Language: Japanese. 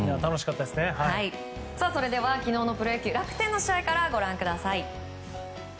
それでは機能のプロ野球楽天の試合からご覧ください。